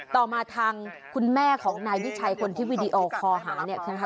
ต่อมาทางคุณแม่ของนายชัยคนที่วีดีโอคอล์คอล์หาเนี่ยนะคะ